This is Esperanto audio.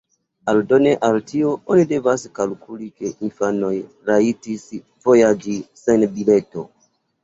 Aldone al tio, oni devas kalkuli ke infanoj rajtis vojaĝi sen bileto.